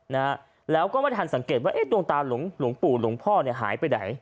นะฮะแล้วก็ไม่ทันสังเกตว่าเอ๊ะดวงตาหลวงหลวงปู่หลวงพ่อเนี่ยหายไปไหน